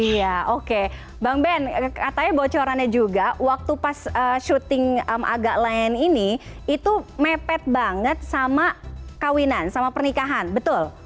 iya oke bang ben katanya bocorannya juga waktu pas syuting agak lain ini itu mepet banget sama kawinan sama pernikahan betul